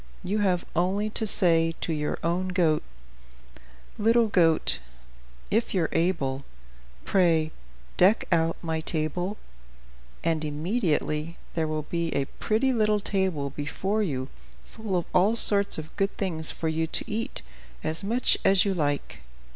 You have only to say to your own goat: "'Little goat, if you're able, Pray deck out my table,' and immediately there will be a pretty little table before you full of all sorts of good things for you to eat, as much as you like.